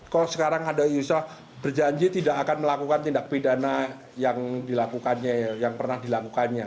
kalau sekarang ada yusof berjanji tidak akan melakukan tindak pidana yang pernah dilakukannya